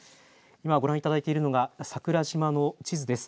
今ご覧いただいているのが桜島の地図です。